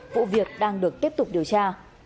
vụ việc đang được tiếp tục điều tra